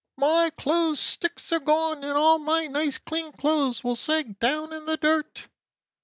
"My clothes sticks are gone and all my nice clean clothes will sag down in the dirt!"